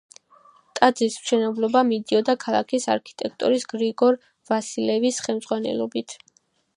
ტაძრის მშენებლობა მიდიოდა ქალაქის არქიტექტორის გრიგორ ვასილევის ხელმძღვანელობით.